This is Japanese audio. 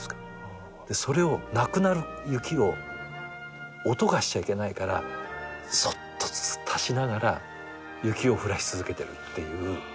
それをなくなる雪を音がしちゃいけないからちょっとずつ足しながら雪を降らし続けてる。